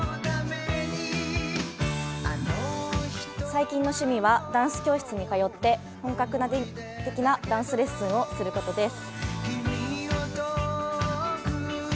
最近の趣味はダンス教室に通って本格的なダンスレッスンをすることです。